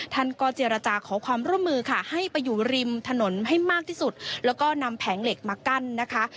ท่านก็เจรจาขอความร่วมมือค่ะให้ไปอยู่ริมถนนให้มากที่สุดแล้วก็นำแผงเหล็กมากั้นนะคะ